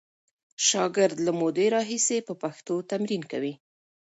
شاګرد له مودې راهیسې په پښتو تمرین کوي.